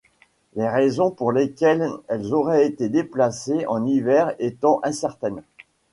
Les raisons pour lesquelles elles auraient été déplacées en hiver étant incertaines.